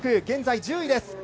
現在１０位です。